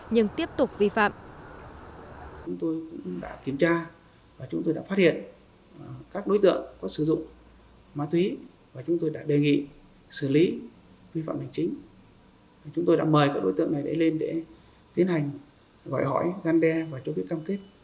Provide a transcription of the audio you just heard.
nhưng tiếp tục vi phạm